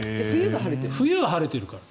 冬が晴れてるから。